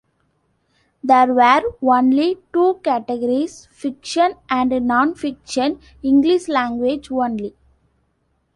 There were only two categories, fiction and non-fiction, English language only.